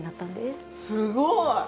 すごい！